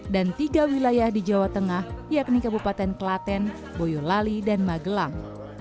dan tiga wilayah di jawa tengah yakni kabupaten klaten boyolali dan magelang